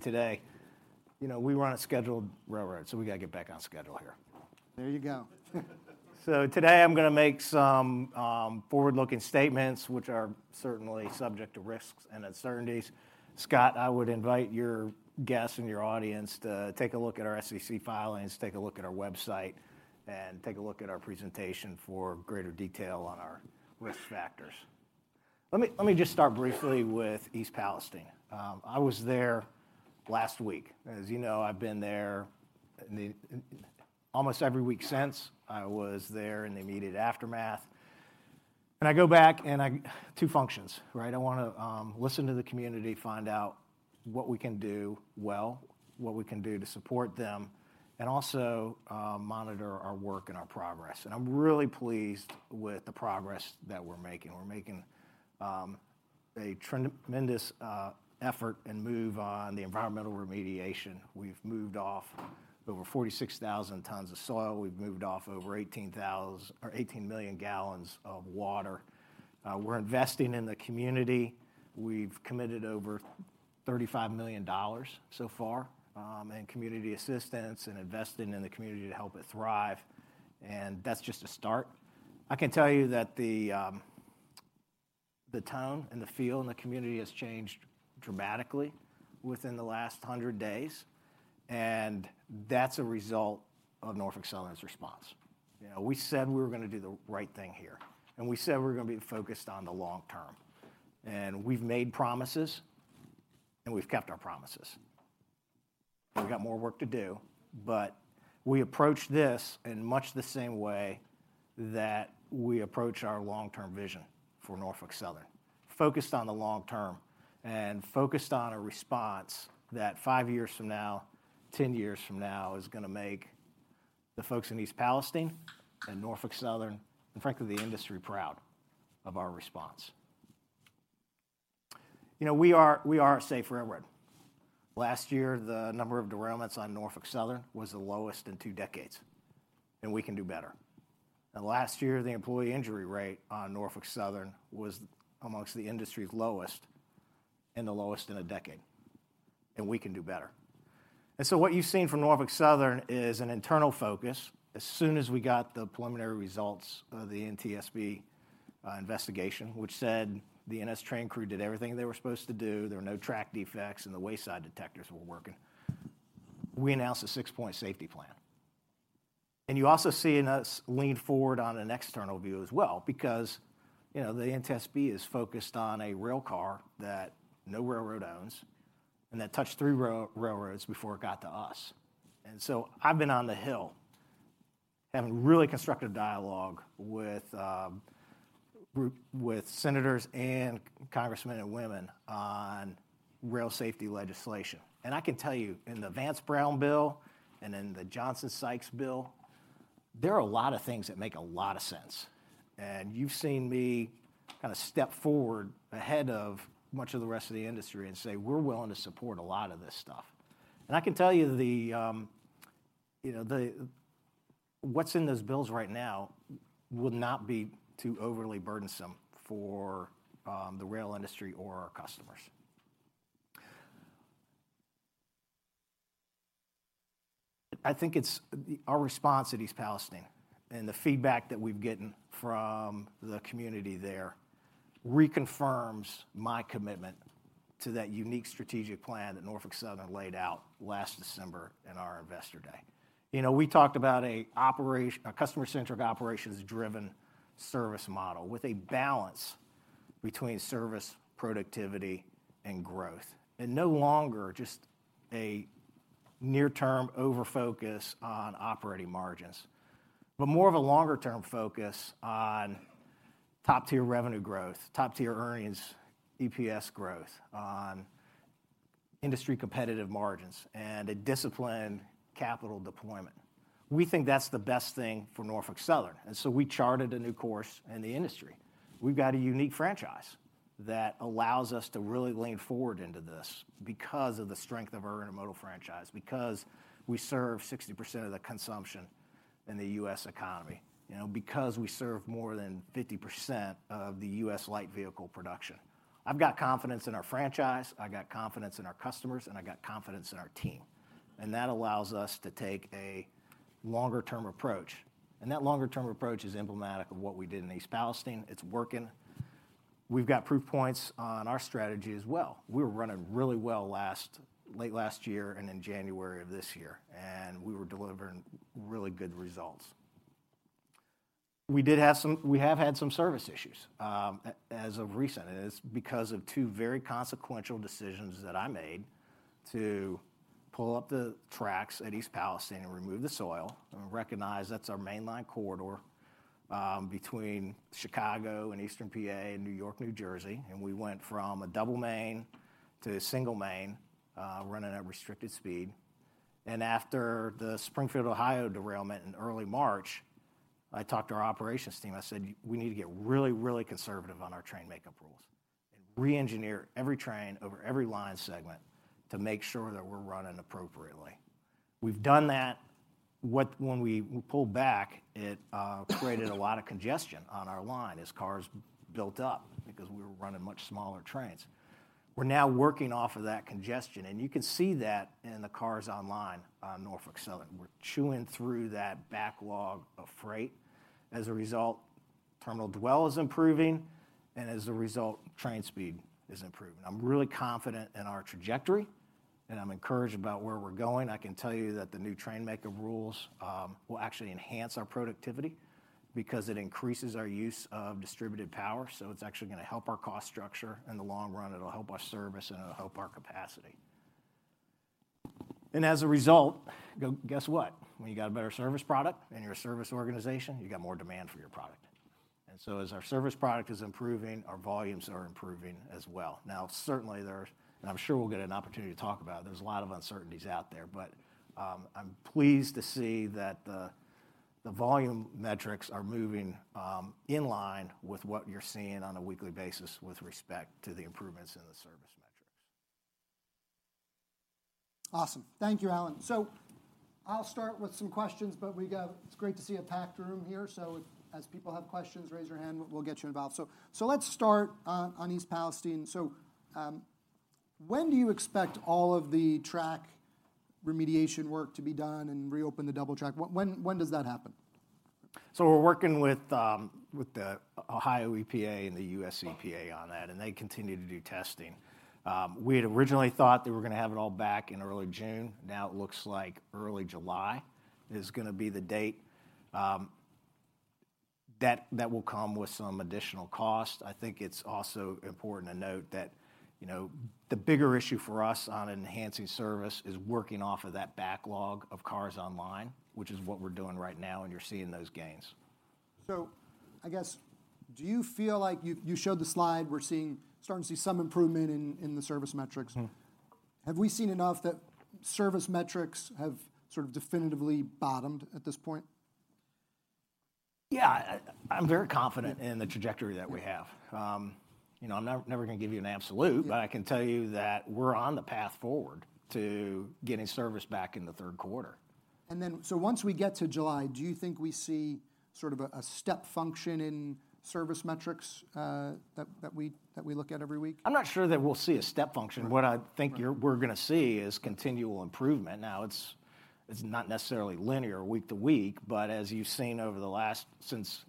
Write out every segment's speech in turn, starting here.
Today. You know, we run a scheduled railroad. We gotta get back on schedule here. There you go. Today, I'm gonna make some forward-looking statements, which are certainly subject to risks and uncertainties. Scott, I would invite your guests and your audience to take a look at our SEC filings, take a look at our website, and take a look at our presentation for greater detail on our risk factors. Let me just start briefly with East Palestine. I was there last week. As you know, I've been there almost every week since. I was there in the immediate aftermath. I go back, and two functions, right? I wanna listen to the community, find out what we can do well, what we can do to support them, and also monitor our work and our progress. I'm really pleased with the progress that we're making. We're making a tremendous effort and move on the environmental remediation. We've moved off over 46,000 tons of soil. We've moved off over 18 million gallons of water. We're investing in the community. We've committed over $35 million so far, in community assistance and investing in the community to help it thrive. That's just a start. I can tell you that the tone and the feel in the community has changed dramatically within the last 100 days, and that's a result of Norfolk Southern's response. You know, we said we were gonna do the right thing here, and we said we're gonna be focused on the long term. We've made promises, and we've kept our promises. We've got more work to do, we approach this in much the same way that we approach our long-term vision for Norfolk Southern. Focused on the long term, focused on a response that five years from now, 10 years from now, is gonna make the folks in East Palestine and Norfolk Southern, and frankly, the industry proud of our response. You know, we are a safe railroad. Last year, the number of derailments on Norfolk Southern was the lowest in two decades, we can do better. Last year, the employee injury rate on Norfolk Southern was amongst the industry's lowest and the lowest in one decade, and we can do better. What you've seen from Norfolk Southern is an internal focus. As soon as we got the preliminary results of the NTSB investigation, which said the NS train crew did everything they were supposed to do, there were no track defects, and the wayside detectors were working. We announced a Six-Point Safety Plan. You also seeing us lean forward on an external view as well because, you know, the NTSB is focused on a rail car that no railroad owns and that touched three railroads before it got to us. I've been on the Hill having really constructive dialogue with senators and congressmen and women on rail safety legislation. I can tell you, in the Vance-Brown bill and in the Johnson-Sykes bill, there are a lot of things that make a lot of sense. You've seen me kinda step forward ahead of much of the rest of the industry and say, "We're willing to support a lot of this stuff." I can tell you know, what's in those bills right now would not be too overly burdensome for the rail industry or our customers. I think it's our response at East Palestine and the feedback that we've gotten from the community there reconfirms my commitment to that unique strategic plan that Norfolk Southern laid out last December in our investor day. You know, we talked about a operation, a customer-centric, operations-driven service model with a balance between service, productivity, and growth. No longer just a near-term over-focus on operating margins, but more of a longer-term focus on top-tier revenue growth, top-tier earnings, EPS growth, on industry competitive margins, and a disciplined capital deployment. We think that's the best thing for Norfolk Southern, and so we charted a new course in the industry. We've got a unique franchise that allows us to really lean forward into this because of the strength of our intermodal franchise, because we serve 60% of the consumption in the U.S. economy, you know, because we serve more than 50% of the U.S. light vehicle production. I've got confidence in our franchise, I got confidence in our customers, and I got confidence in our team, and that allows us to take a longer-term approach. That longer-term approach is emblematic of what we did in East Palestine. It's working. We've got proof points on our strategy as well. We were running really well late last year and in January of this year, and we were delivering really good results. We did have some. We have had some service issues as of recent. It's because of two very consequential decisions that I made to pull up the tracks at East Palestine and remove the soil and recognize that's our mainline corridor between Chicago and Eastern PA and New York, New Jersey. We went from a double main to a single main running at restricted speed. After the Springfield, Ohio derailment in early March, I talked to our operations team. I said, "We need to get really conservative on our train makeup rules and re-engineer every train over every line segment to make sure that we're running appropriately." We've done that. When we pulled back, it created a lot of congestion on our line as cars built up because we were running much smaller trains. We're now working off of that congestion. You can see that in the cars online on Norfolk Southern. We're chewing through that backlog of freight. As a result, terminal dwell is improving, and as a result, train speed is improving. I'm really confident in our trajectory, and I'm encouraged about where we're going. I can tell you that the new train makeup rules will actually enhance our productivity because it increases our use of distributed power. It's actually gonna help our cost structure in the long run, it'll help our service, and it'll help our capacity. As a result, guess what? When you got a better service product and you're a service organization, you got more demand for your product. As our service product is improving, our volumes are improving as well. Now, certainly there's, I'm sure we'll get an opportunity to talk about it. There's a lot of uncertainties out there. I'm pleased to see that the volume metrics are moving in line with what you're seeing on a weekly basis with respect to the improvements in the service metrics. Awesome. Thank you, Alan. I'll start with some questions, but we got, It's great to see a packed room here. As people have questions, raise your hand, we'll get you involved. Let's start on East Palestine. When do you expect all of the track remediation work to be done and reopen the double track? When does that happen? We're working with the Ohio EPA and the US EPA on that, and they continue to do testing. We had originally thought that we're gonna have it all back in early June. Now it looks like early July is gonna be the date. That will come with some additional cost. I think it's also important to note that, you know, the bigger issue for us on enhancing service is working off of that backlog of cars online, which is what we're doing right now, and you're seeing those gains. I guess, do you feel like you've? You showed the slide, we're starting to see some improvement in the service metrics. Have we seen enough that service metrics have sort of definitively bottomed at this point? Yeah. I'm very confident in the trajectory that we have. you know, I'm never gonna give you an absolute, but I can tell you that we're on the path forward to getting service back in the third quarter. Once we get to July, do you think we see sort of a step function in service metrics that we look at every week? I'm not sure that we'll see a step function. What I think we're gonna see is continual improvement. Now, it's not necessarily linear week to week, but as you've seen over the last since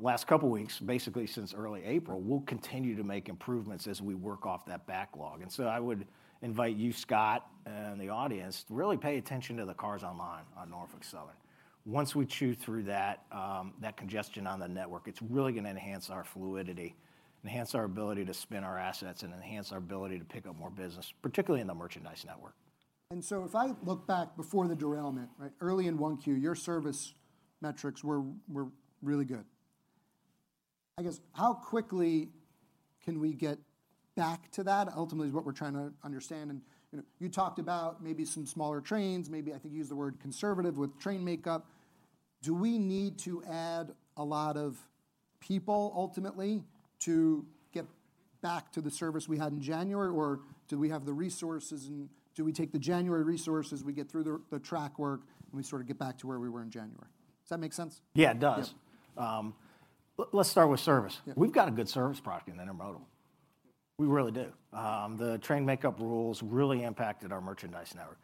last couple of weeks, basically since early April, we'll continue to make improvements as we work off that backlog. I would invite you, Scott, and the audience to really pay attention to the cars online on Norfolk Southern. Once we chew through that congestion on the network, it's really gonna enhance our fluidity, enhance our ability to spin our assets, and enhance our ability to pick up more business, particularly in the merchandise network. If I look back before the derailment, right, early in 1Q, your service metrics were really good. I guess, how quickly can we get back to that, ultimately, is what we're trying to understand. You know, you talked about maybe some smaller trains, maybe, I think you used the word conservative with train makeup. Do we need to add a lot of people ultimately to get back to the service we had in January? Do we have the resources and do we take the January resources, we get through the track work, and we sort of get back to where we were in January? Does that make sense? Yeah, it does. Let's start with service. We've got a good service product in intermodal. We really do. The train makeup rules really impacted our merchandise network.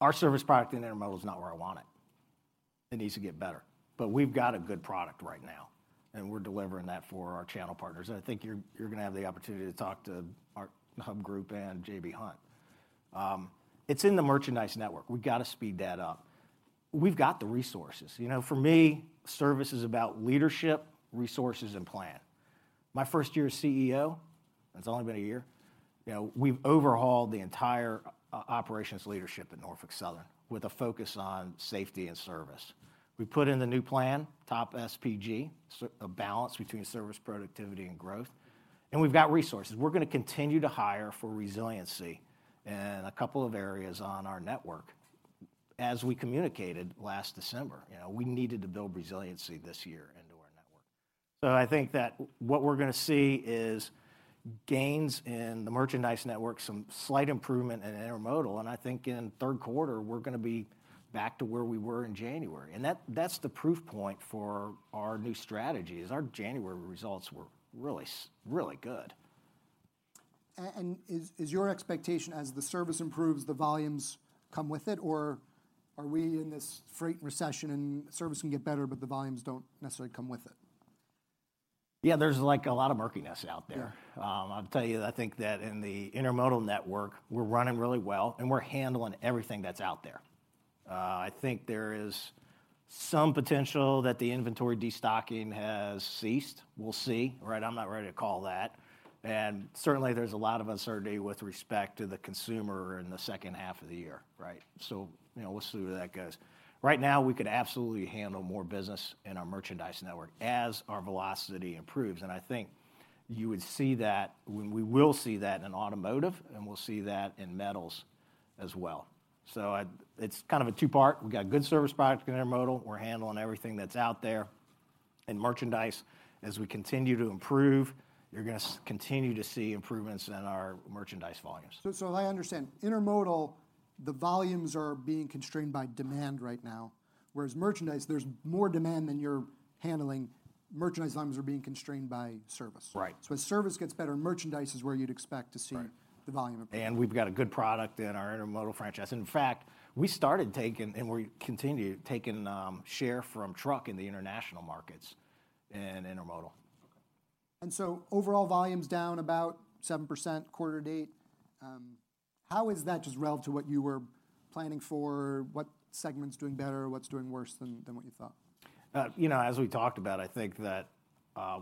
Our service product in intermodal is not where I want it. It needs to get better. We've got a good product right now, and we're delivering that for our channel partners. I think you're gonna have the opportunity to talk to our Hub Group and J.B. Hunt. It's in the merchandise network. We've got to speed that up. We've got the resources. You know, for me, service is about leadership, resources, and plan. My first year as CEO, it's only been a year, you know, we've overhauled the entire operations leadership at Norfolk Southern with a focus on safety and service. We put in the new plan, TOP|SPG, a balance between service, productivity, and growth. We've got resources. We're gonna continue to hire for resiliency in a couple of areas on our network. As we communicated last December, you know, we needed to build resiliency this year into our network. I think that what we're gonna see is gains in the merchandise network, some slight improvement in intermodal, and I think in the third quarter, we're gonna be back to where we were in January. That, that's the proof point for our new strategy, is our January results were really good. Is your expectation as the service improves, the volumes come with it? Are we in this freight recession and service can get better, but the volumes don't necessarily come with it? Yeah, there's like a lot of murkiness out there. I'll tell you, I think that in the intermodal network, we're running really well and we're handling everything that's out there. I think there is some potential that the inventory destocking has ceased. We'll see, right? I'm not ready to call that. Certainly, there's a lot of uncertainty with respect to the consumer in the second half of the year, right? You know, we'll see where that goes. Right now, we could absolutely handle more business in our merchandise network as our velocity improves. I think you would see that. We will see that in automotive, and we'll see that in metals as well. It's kind of a two-part. We've got a good service product in intermodal. We're handling everything that's out there. Merchandise, as we continue to improve, you're gonna continue to see improvements in our merchandise volumes. I understand. Intermodal, the volumes are being constrained by demand right now, whereas merchandise, there's more demand than you're handling. Merchandise volumes are being constrained by service. Right. As service gets better, merchandise is where you'd expect to see. Right The volume improvement. We've got a good product in our intermodal franchise. In fact, we started taking, and we continue taking, share from truck in the international markets in intermodal. Okay. Overall volume's down about 7% quarter to date. How is that just relative to what you were planning for? What segment's doing better? What's doing worse than what you thought? As we talked about, I think that,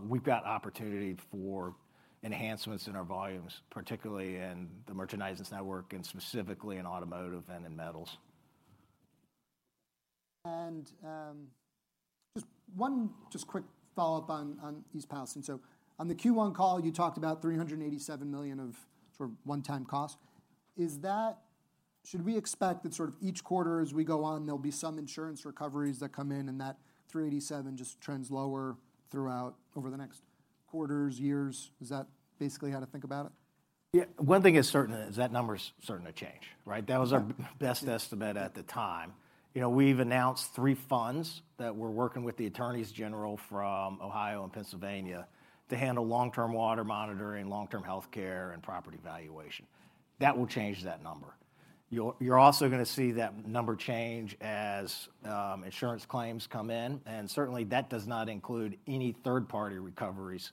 we've got opportunity for enhancements in our volumes, particularly in the merchandise network and specifically in automotive and in metals. Just one just quick follow-up on East Palestine. On the Q1 call, you talked about $387 million of sort of one-time cost. Should we expect that sort of each quarter as we go on, there'll be some insurance recoveries that come in and that $387 just trends lower throughout over the next quarters, years? Is that basically how to think about it? One thing is certain is that number's certain to change, right? That was our best estimate at the time. You know, we've announced three funds that we're working with the attorneys general from Ohio and Pennsylvania to handle long-term water monitoring, long-term healthcare, and property valuation. That will change that number. You're also gonna see that number change as insurance claims come in, and certainly that does not include any third-party recoveries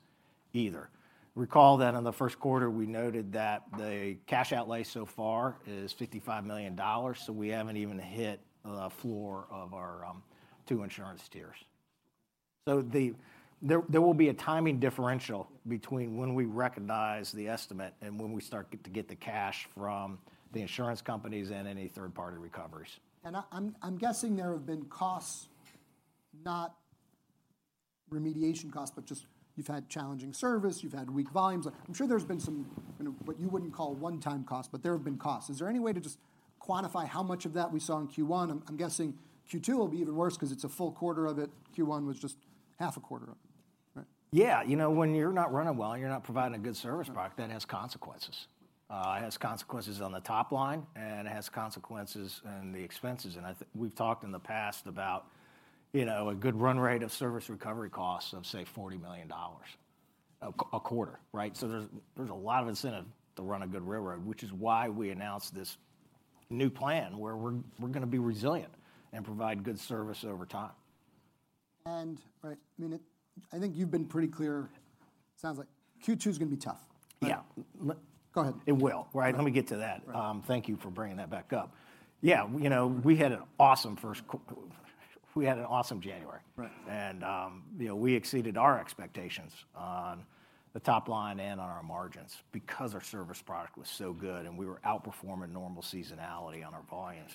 either. Recall that in the first quarter we noted that the cash outlay so far is $55 million, so we haven't even hit the floor of our two insurance tiers. There will be a timing differential between when we recognize the estimate and when we start to get the cash from the insurance companies and any third-party recoveries. I'm guessing there have been costs, not remediation costs, but just you've had challenging service, you've had weak volumes. Like, I'm sure there's been some, you know, what you wouldn't call one-time costs, but there have been costs. Is there any way to just quantify how much of that we saw in Q1? I'm guessing Q2 will be even worse 'cause it's a full quarter of it. Q1 was just half a quarter of it, right? Yeah. You know, when you're not running well and you're not providing a good service product, that has consequences. It has consequences on the top line, and it has consequences in the expenses. We've talked in the past about, you know, a good run rate of service recovery costs of, say, $40 million a quarter, right? There's a lot of incentive to run a good railroad, which is why we announced this new plan where we're gonna be resilient and provide good service over time. Right, I mean, I think you've been pretty clear, sounds like Q2 is gonna be tough, right? Yeah. Go ahead. It will, right. Let me get to that. Right. Thank you for bringing that back up. Yeah, you know, we had an awesome January. Right. You know, we exceeded our expectations on the top line and on our margins because our service product was so good and we were outperforming normal seasonality on our volumes.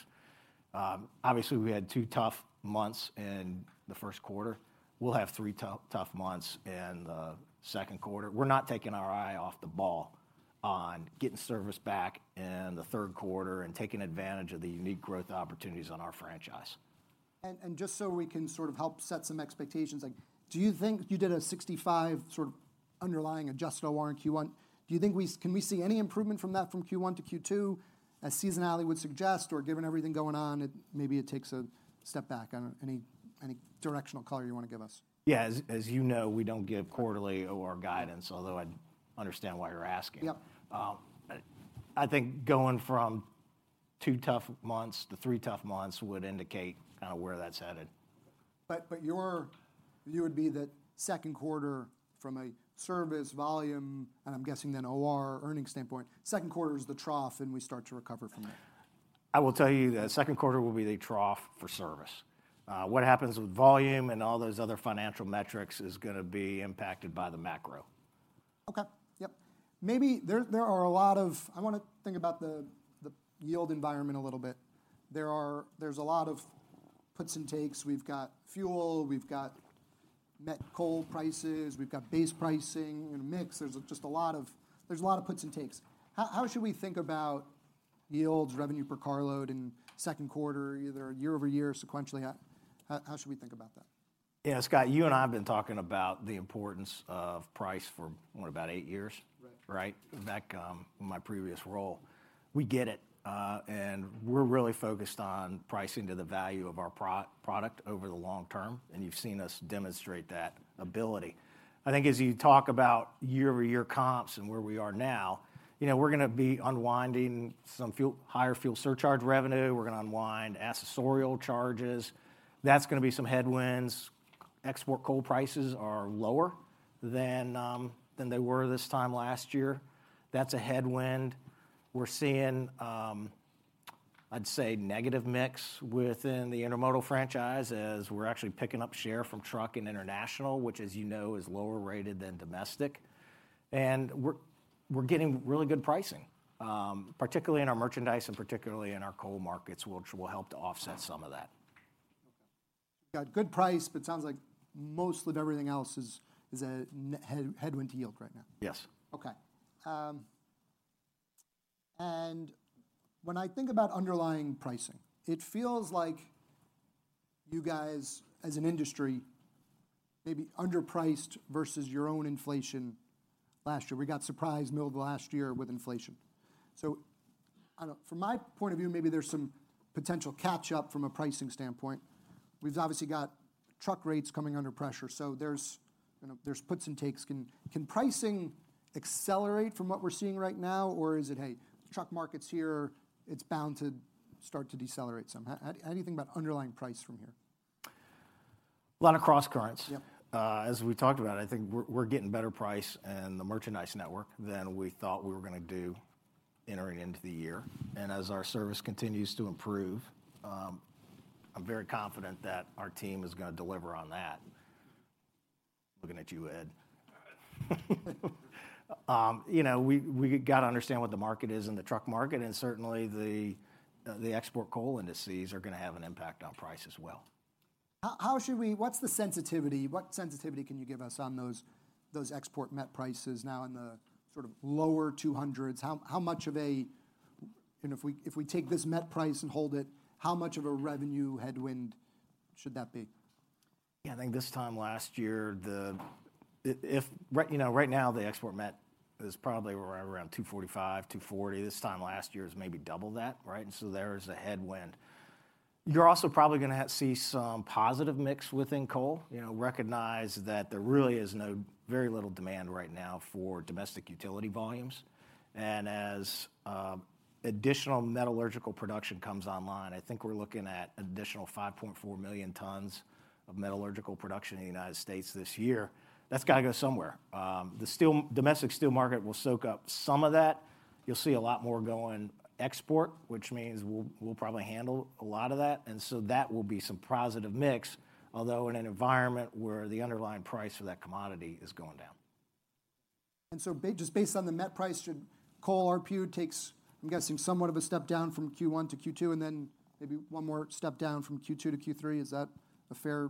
Obviously we had two tough months in the first quarter. We'll have three tough months in the second quarter. We're not taking our eye off the ball on getting service back in the third quarter and taking advantage of the unique growth opportunities on our franchise. Just so we can sort of help set some expectations, like, do you think you did a 65 sort of underlying adjusted OR in Q1? Do you think Can we see any improvement from that from Q1 to Q2 as seasonality would suggest? Given everything going on it, maybe it takes a step back. I don't. Any, any directional color you wanna give us? As you know, we don't give quarterly OR guidance, although I understand why you're asking. Yep. I think going from two tough months to three tough months would indicate kind of where that's headed. Your view would be that second quarter from a service volume, and I'm guessing an OR earnings standpoint, second quarter is the trough and we start to recover from there. I will tell you that second quarter will be the trough for service. What happens with volume and all those other financial metrics is gonna be impacted by the macro. Okay. Yep. Maybe there are a lot of I want to think about the yield environment a little bit. There's a lot of puts and takes. We've got fuel, we've got met coal prices, we've got base pricing and mix. There's just a lot of puts and takes. How should we think about yields, revenue per carload in second quarter, either year-over-year, sequentially? How should we think about that? Yeah. Scott, you and I have been talking about the importance of price for what? About eight years. Right. Right. Back in my previous role. We get it, and we're really focused on pricing to the value of our pro-product over the long term, and you've seen us demonstrate that ability. I think as you talk about year-over-year comps and where we are now, you know, we're gonna be unwinding some fuel, higher fuel surcharge revenue. We're gonna unwind accessorial charges. That's gonna be some headwinds. Export coal prices are lower than they were this time last year. That's a headwind. We're seeing, I'd say negative mix within the intermodal franchise as we're actually picking up share from truck and international, which as you know, is lower rated than domestic. We're getting really good pricing, particularly in our merchandise and particularly in our coal markets, which will help to offset some of that. Okay. Got good price, sounds like most of everything else is a headwind to yield right now. Yes. Okay. When I think about underlying pricing, it feels like you guys, as an industry, maybe underpriced versus your own inflation last year. We got surprised middle of last year with inflation. From my point of view, maybe there's some potential catch-up from a pricing standpoint. We've obviously got truck rates coming under pressure, there's, you know, there's puts and takes. Can pricing accelerate from what we're seeing right now? Or is it, "Hey, truck market's here, it's bound to start to decelerate some." Has anything but underlying price from here? Lot of cross currents. As we talked about, I think we're getting better price in the merchandise network than we thought we were gonna do entering into the year. As our service continues to improve, I'm very confident that our team is gonna deliver on that. Looking at you, Ed. You know, we gotta understand what the market is in the truck market, and certainly the export coal indices are gonna have an impact on price as well. What's the sensitivity? What sensitivity can you give us on those export met prices now in the sort of lower $200s? How much of a and if we take this met price and hold it, how much of a revenue headwind should that be? Yeah, I think this time last year you know, right now the export met is probably right around $245, $240. This time last year it was maybe double that, right? There is a headwind. You're also probably gonna see some positive mix within coal. You know, recognize that there really is very little demand right now for domestic utility volumes. As additional metallurgical production comes online, I think we're looking at additional 5.4 million tons of metallurgical production in the United States this year. That's gotta go somewhere. The domestic steel market will soak up some of that. You'll see a lot more going export, which means we'll probably handle a lot of that. That will be some positive mix, although in an environment where the underlying price for that commodity is going down. Just based on the met price, should coal ARPU takes, I'm guessing, somewhat of a step down from Q1 to Q2, and then maybe one more step down from Q2 to Q3. Is that a fair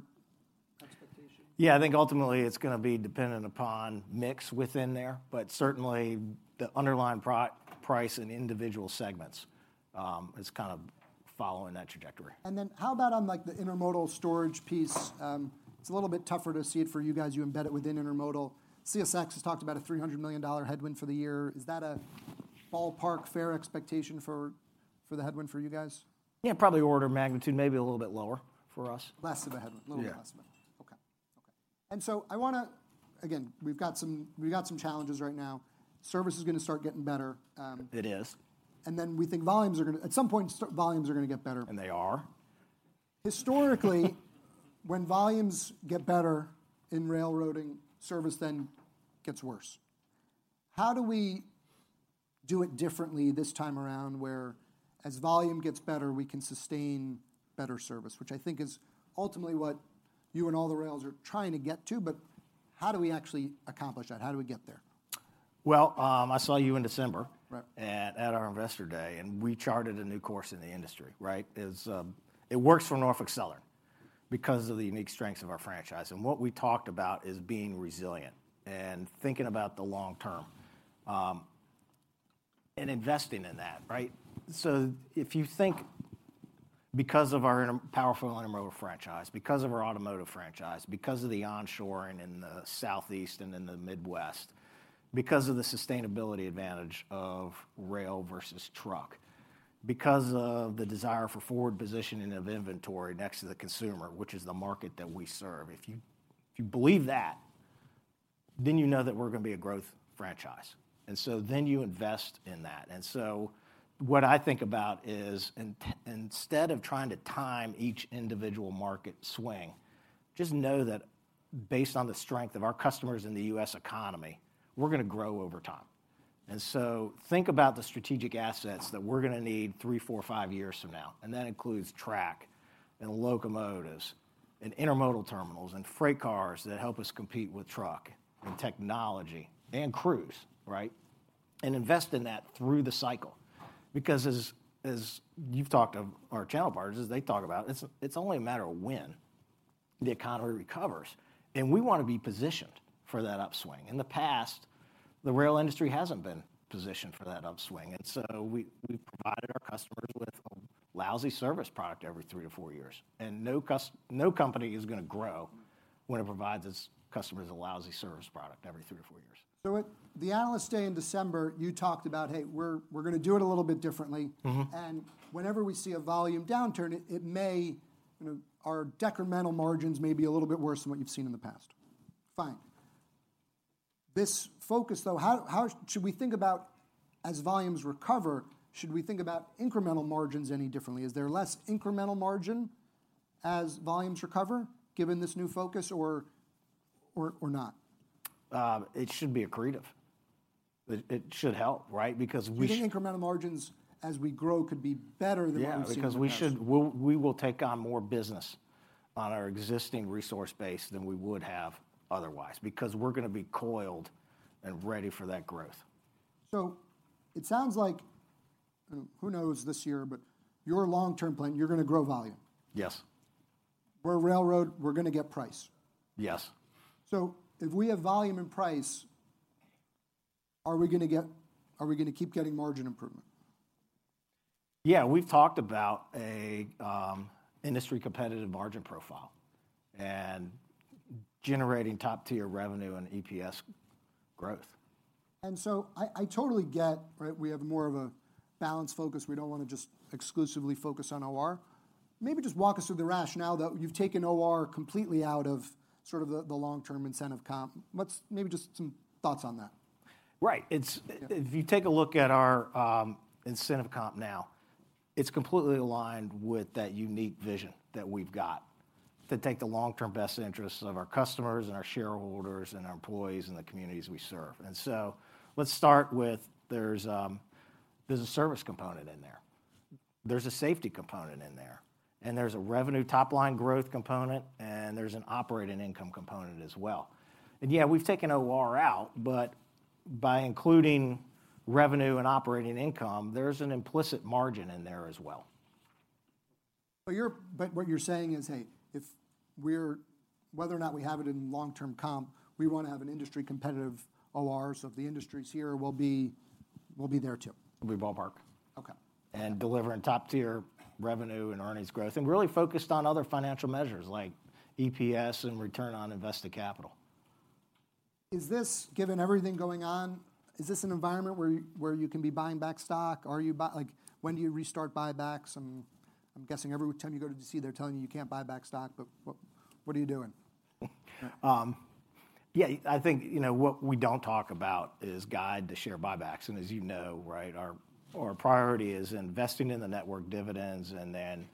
expectation? Yeah. I think ultimately it's gonna be dependent upon mix within there. Certainly the underlying price in individual segments is kind of following that trajectory. How about on like the intermodal storage piece? It's a little bit tougher to see it for you guys. You embed it within intermodal. CSX has talked about a $300 million headwind for the year. Is that a ballpark fair expectation for the headwind for you guys? Yeah, probably order of magnitude, maybe a little bit lower for us. Less of a headwind. Yeah. A little less of a headwind. Okay. Okay. Again, we've got some challenges right now. Service is gonna start getting better. It is We think volumes are at some point, volumes are gonna get better. They are. Historically, when volumes get better in railroading, service then gets worse. How do we do it differently this time around where as volume gets better, we can sustain better service, which I think is ultimately what you and all the rails are trying to get to, how do we actually accomplish that? How do we get there? Well, I saw you in December. Right At our Investor Day, We charted a new course in the industry, right? It works for Norfolk Southern because of the unique strengths of our franchise. What we talked about is being resilient and thinking about the long term, and investing in that, right? If you think because of our powerful intermodal franchise, because of our automotive franchise, because of the onshoring in the Southeast and in the Midwest, because of the sustainability advantage of rail versus truck, because of the desire for forward positioning of inventory next to the consumer, which is the market that we serve. If you believe that, then you know that we're gonna be a growth franchise. You invest in that. What I think about is instead of trying to time each individual market swing, just know that based on the strength of our customers in the U.S. economy, we're gonna grow over time. Think about the strategic assets that we're gonna need 3, 4, 5 years from now, and that includes track, and locomotives, and intermodal terminals, and freight cars that help us compete with truck, and technology, and crews, right? Invest in that through the cycle. Because as you've talked of our channel partners, as they talk about, it's only a matter of when the economy recovers, and we wanna be positioned for that upswing. In the past, the rail industry hasn't been positioned for that upswing, and so we've provided our customers with a lousy service product every 3 to 4 years. No company is gonna grow when it provides its customers a lousy service product every three to four years. At the Analyst Day in December, you talked about, "Hey, we're gonna do it a little bit differently. Whenever we see a volume downturn, it may, you know, our decremental margins may be a little bit worse than what you've seen in the past. Fine. This focus, though, how should we think about, as volumes recover, should we think about incremental margins any differently? Is there less incremental margin as volumes recover given this new focus or not? It should be accretive. It, it should help, right? Because we Do you think incremental margins as we grow could be better than what we've seen in the past? Yeah. Because we will take on more business on our existing resource base than we would have otherwise, because we're gonna be coiled and ready for that growth. It sounds like, who knows this year, but your long-term plan, you're gonna grow volume. Yes. We're a railroad, we're gonna get price. Yes. If we have volume and price, are we gonna keep getting margin improvement? Yeah. We've talked about a industry competitive margin profile and generating top-tier revenue and EPS growth. I totally get, right, we have more of a balanced focus. We don't wanna just exclusively focus on OR. Maybe just walk us through the rationale though. You've taken OR completely out of sort of the long-term incentive comp. Maybe just some thoughts on that? Right. If you take a look at our incentive comp now, it's completely aligned with that unique vision that we've got to take the long-term best interests of our customers and our shareholders and our employees and the communities we serve. Let's start with there's a service component in there's a safety component in there, and there's a revenue top-line growth component, and there's an operating income component as well. Yeah, we've taken OR out, but by including revenue and operating income, there's an implicit margin in there as well. What you're saying is, if, whether or not we have it in long-term comp, we wanna have an industry competitive OR, so if the industry's here, we'll be there too. We'll be ballpark. Okay. Delivering top-tier revenue and earnings growth, and really focused on other financial measures like EPS and return on invested capital. Is this, given everything going on, is this an environment where you can be buying back stock? Are you Like, when do you restart buybacks? I'm guessing every time you go to D.C. they're telling you you can't buy back stock, what are you doing? Yeah, I think, you know, what we don't talk about is guide to share buybacks, and as you know, right, our priority is investing in the network dividends and then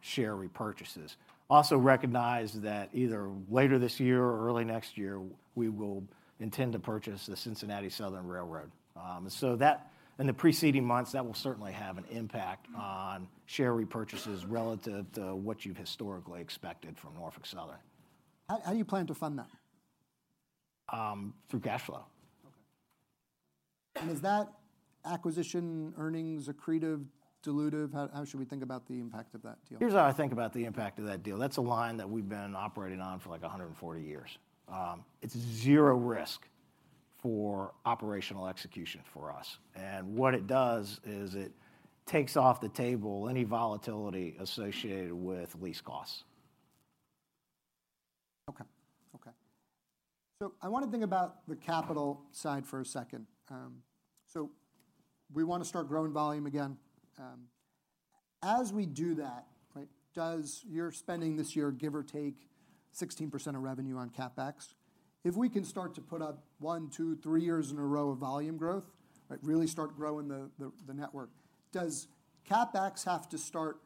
share repurchases. Also recognize that either later this year or early next year, we will intend to purchase the Cincinnati Southern Railway. That, in the preceding months, that will certainly have an impact on share repurchases relative to what you've historically expected from Norfolk Southern. How do you plan to fund that? Through cash flow. Okay. Is that acquisition earnings accretive, dilutive? How should we think about the impact of that deal? Here's how I think about the impact of that deal. That's a line that we've been operating on for, like, 140 years. It's zero risk for operational execution for us. What it does is it takes off the table any volatility associated with lease costs. Okay. Okay. I wanna think about the capital side for a second. We wanna start growing volume again. As we do that, right, does your spending this year give or take 16% of revenue on CapEx? If we can start to put up one, two, three years in a row of volume growth, right, really start growing the network, does CapEx have to start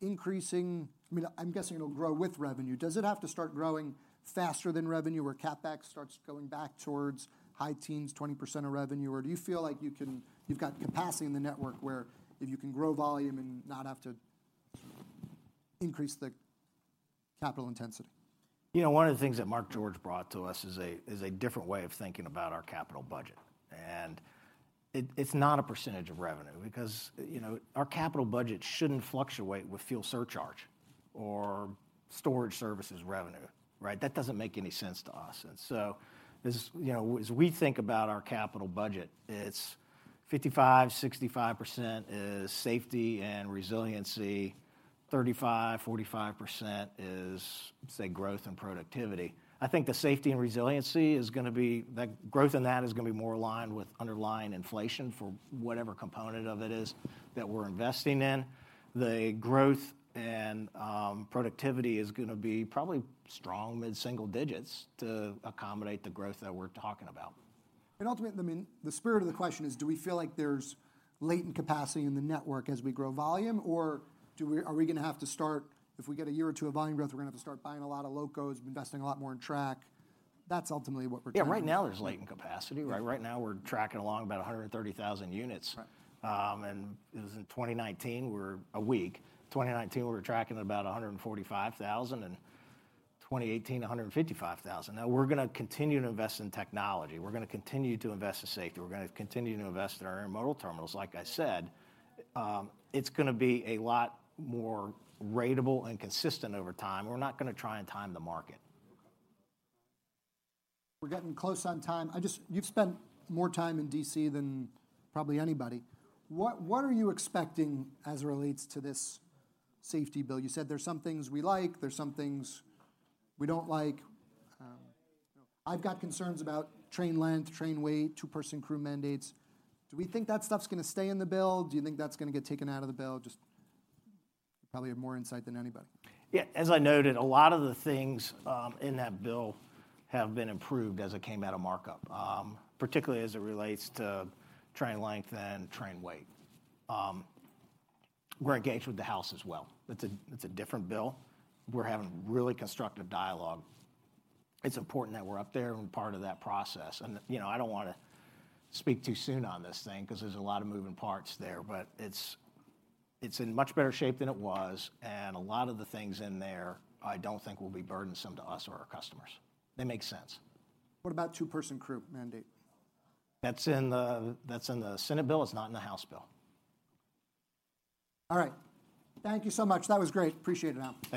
increasing? I mean, I'm guessing it'll grow with revenue. Does it have to start growing faster than revenue, where CapEx starts going back towards high teens, 20% of revenue? Do you feel like you've got capacity in the network where if you can grow volume and not have to increase the capital intensity? You know, one of the things that Mark George brought to us is a different way of thinking about our capital budget. It's not a percentage of revenue because, you know, our capital budget shouldn't fluctuate with fuel surcharge or storage services revenue, right? That doesn't make any sense to us. As, you know, as we think about our capital budget, 55%-65% is safety and resiliency, 35%-45% is, say, growth and productivity. I think the safety and resiliency. The growth in that is gonna be more aligned with underlying inflation for whatever component of it is that we're investing in. The growth and productivity is gonna be probably strong mid-single digits to accommodate the growth that we're talking about. Ultimately, I mean, the spirit of the question is: Do we feel like there's latent capacity in the network as we grow volume, or are we gonna have to start, if we get a year or 2 of volume growth, we're gonna have to start buying a lot of locos and investing a lot more in track? That's ultimately what we're talking about. Yeah. Right now there's latent capacity, right? Right now we're tracking along about 130,000 units. 2019 we were tracking at about 145,000, and 2018 155,000. We're gonna continue to invest in technology. We're gonna continue to invest in safety. We're gonna continue to invest in our intermodal terminals. Like I said, it's gonna be a lot more ratable and consistent over time. We're not gonna try and time the market. We're getting close on time. I just You've spent more time in D.C. than probably anybody. What are you expecting as it relates to this safety bill? You said there's some things we like, there's some things we don't like. I've got concerns about train length, train weight, two-person crew mandates. Do we think that stuff's gonna stay in the bill? Do you think that's gonna get taken out of the bill? Just probably have more insight than anybody. Yeah. As I noted, a lot of the things in that bill have been improved as it came out of markup, particularly as it relates to train length and train weight. We're engaged with the House as well. It's a different bill. We're having really constructive dialogue. It's important that we're up there and part of that process. You know, I don't wanna speak too soon on this thing, 'cause there's a lot of moving parts there, but it's in much better shape than it was, and a lot of the things in there I don't think will be burdensome to us or our customers. They make sense. What about two-person crew mandate? That's in the Senate bill. It's not in the House bill. All right. Thank you so much. That was great. Appreciate it, Al. Thank you.